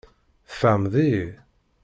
Tfehmeḍ-iyi?